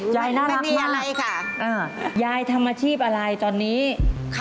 ยายน่ารักมากยายทำอาชีพอะไรตอนนี้ไม่มีอะไรค่ะ